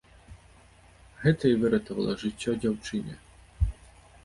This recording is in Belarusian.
Гэта і выратавала жыццё дзяўчыне.